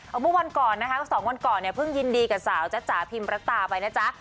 เอาเมื่อวันก่อนนะคะ๒วันก่อนเนี่ยเพิ่งยินดีกับสาวจ๊ะจ๋าพิมรัตาไปนะจ๊ะ